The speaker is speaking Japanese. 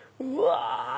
うわ！